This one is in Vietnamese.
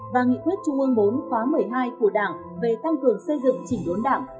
và nghị quyết trung ương bốn khóa một mươi hai của đảng về tăng cường xây dựng chỉnh đốn đảng